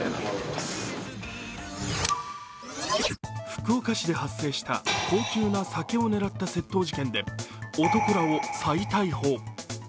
福岡市で発生した高級な酒を狙った窃盗事件で男らを再逮捕。